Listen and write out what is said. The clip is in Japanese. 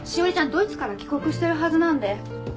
ドイツから帰国してるはずなんで。